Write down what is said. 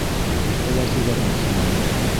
Иртәгә тиҙәр бит һиңә!